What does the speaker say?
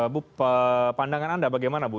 bu pandangan anda bagaimana bu